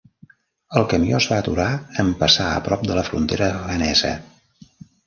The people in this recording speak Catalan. El camió es va aturar en passar a prop de la frontera afganesa.